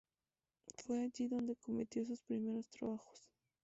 Fue allí donde acometió sus primeros trabajos.